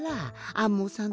アンモさん。